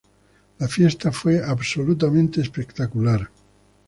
La fiesta fue absolutamente espectacular.